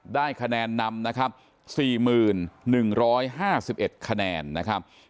ได้คะแนนนำนะครับ๔๑๕๑คะแนนนะครับ